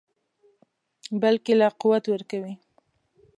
بلکې لا قوت ورکوي.